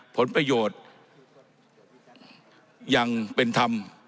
ผลประโยชน์ยังเป็นธรรม